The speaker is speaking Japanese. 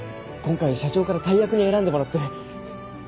今回社長から大役に選んでもらって。